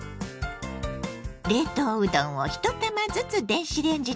冷凍うどんを１玉ずつ電子レンジで解凍します。